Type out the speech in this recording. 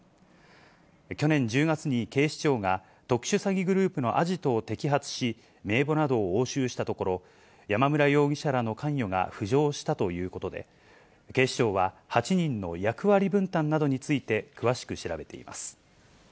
去年１０月に警視庁が、特殊詐欺グループのアジトを摘発し、名簿などを押収したところ、山村容疑者らの関与が浮上したということで、警視庁は、８人の役割分担などについて詳しく調べています。